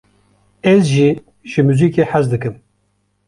Ez jî ji muzîkê hez dikim.